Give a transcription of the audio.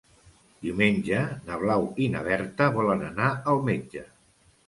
Diumenge na Blau i na Berta volen anar al metge.